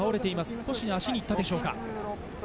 少し足にいったでしょうか。